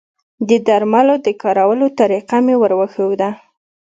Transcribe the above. د درملو د کارولو طریقه مې وروښوده